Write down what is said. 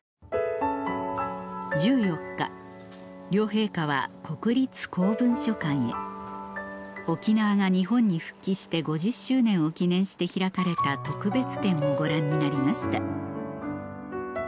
１４日両陛下は国立公文書館へ沖縄が日本に復帰して５０周年を記念して開かれた特別展をご覧になりました